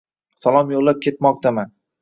Salom yoʼllab ketmoqdaman.